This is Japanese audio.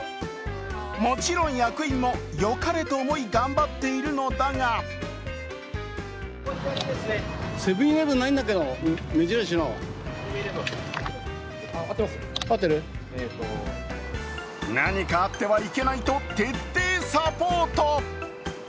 もちろん役員もよかれと思い頑張っているのだが何かあってはいけないと徹底サポート。